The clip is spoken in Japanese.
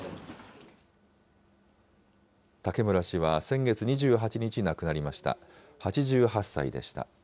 武村氏は先月２８日、亡くなりました。